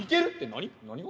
何が？